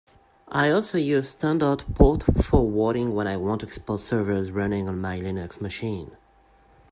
I also use standard port forwarding when I want to expose servers running on my Linux machine.